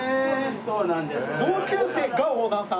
そうなんです。